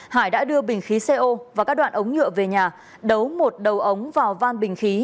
hải đã đưa bình khí co và các đoạn ống nhựa về nhà đấu một đầu ống vào van bình khí